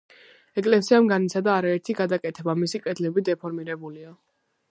ეკლესიამ განიცადა არაერთი გადაკეთება, მისი კედლები დეფორმირებულია.